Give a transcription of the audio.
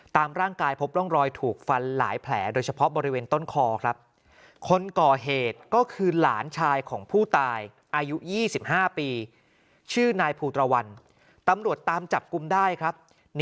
ตามร่างกายพบร่องรอยถูกฟันหลายแผลโดยเฉพาะบริเวณต้นคอครับ